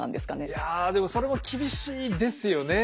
いやでもそれも厳しいですよね